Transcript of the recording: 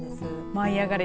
舞いあがれ！